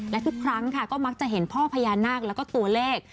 และทุกครั้งค่ะก็มักจะเห็นพ่อพญานาคแล้วก็ตัวเลข